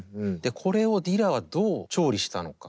これをディラはどう調理したのか。